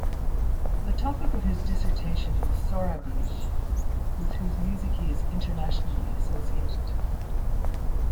The topic of his dissertation was Sorabji, with whose music he is internationally associated.